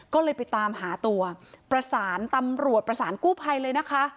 ก็เลยไปตามหาตัวประสานตำรวจประสานกู้ภัยเลยนะคะ